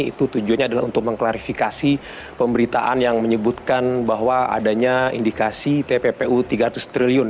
itu tujuannya adalah untuk mengklarifikasi pemberitaan yang menyebutkan bahwa adanya indikasi tppu tiga ratus triliun